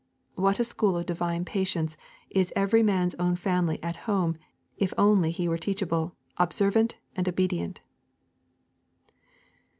What a school of divine patience is every man's own family at home if he only were teachable, observant, and obedient!